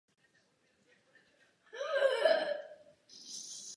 Stejně jako debutové album ani tento singl ještě nepřinesl kvartetu větší celosvětový ohlas.